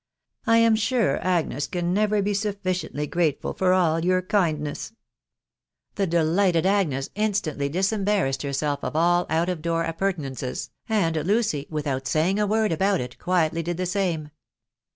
"J am 'sure Agnes, can never be suffi ciently grateful for all your kindness." The delighted Agnes instantly idskunbairassad herself of .eB out of door appurtenances, .and Lucy, without .saying * mml about it, quietly did the same.